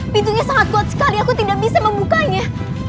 pintunya sangat kuat sekali aku tidak bisa membukanya